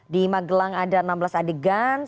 di magelang ada enam belas adegan